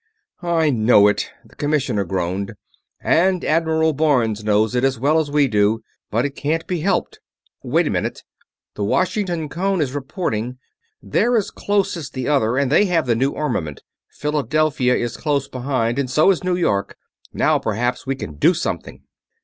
"I know it," the commissioner groaned, "and Admiral Barnes knows it as well as we do, but it can't be helped wait a minute! The Washington cone is reporting. They're as close as the other, and they have the new armament. Philadelphia is close behind, and so is New York. Now perhaps we can do something!"